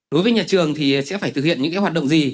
đối với nhà trường thì sẽ phải thực hiện những hoạt động gì